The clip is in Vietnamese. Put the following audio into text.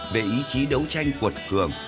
về ý chí đấu tranh quật cường